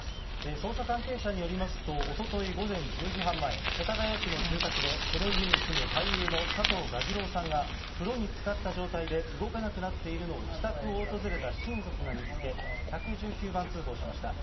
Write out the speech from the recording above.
捜査関係者によりますと、おととい午前１０時半前、世田谷区の住宅で、この家に住む俳優の佐藤蛾次郎さんが、風呂につかった状態で動かなくなっているのを、自宅を訪れた親族が見つけ、１１９番通報しました。